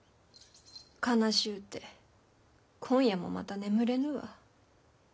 悲しゅうて今夜もまた眠れぬわ。